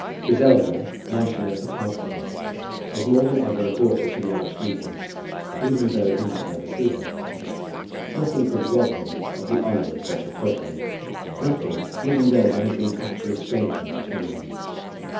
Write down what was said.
Griselda, Marchioness of Hartletop, was more than ever a daughter to the archdeacon, even though he might never see her. Nothing could rob him of the honour of such a progeny, nothing, even though there had been actual estrangement between them.